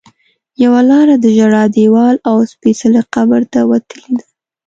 یوه لاره د ژړا دیوال او سپېڅلي قبر ته وتلې ده.